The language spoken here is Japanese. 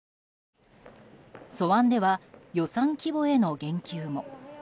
素案では予算規模への言及も。